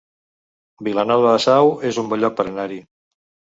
Vilanova de Sau es un bon lloc per anar-hi